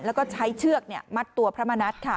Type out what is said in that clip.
แล้วก็ใช้เชือกมัดตัวพระมณัฐค่ะ